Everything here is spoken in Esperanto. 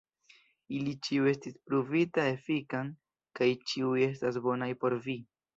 Ili ĉiu estis pruvita efikan kaj ĉiuj estas bonaj por vi.